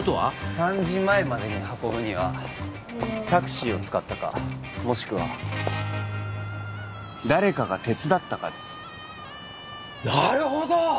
３時前までに運ぶにはタクシーを使ったかもしくは誰かが手伝ったかですなるほど！